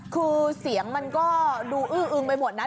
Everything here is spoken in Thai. คือเสียงมันก็ดูอื้ออึงไปหมดนะ